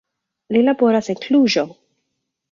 Li laboras en Kluĵo.